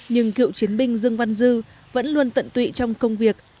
nhưng cựu chiến binh dương văn dư vẫn luôn tận tụy trong công việc